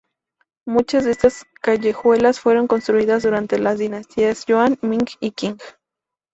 Muchas de estas callejuelas fueron construidas durante las dinastías Yuan, Ming y Qing.